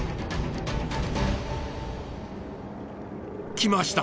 来ました